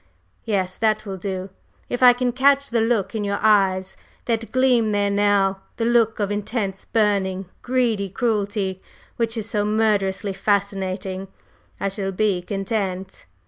Yes, that will do; if I can catch the look in your eyes that gleams there now, the look of intense, burning, greedy cruelty which is so murderously fascinating, I shall be content."